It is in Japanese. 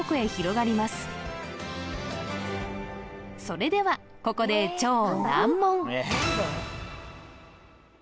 それではここで超難問